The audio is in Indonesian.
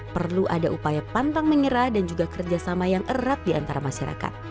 perlu ada upaya pantang mengira dan juga kerjasama yang erat diantara masyarakat